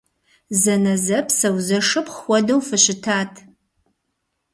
Зэнэзэпсэу, зэшыпхъу хуэдэу фыщытат!